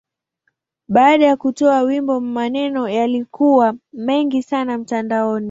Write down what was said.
Baada ya kutoa wimbo, maneno yalikuwa mengi sana mtandaoni.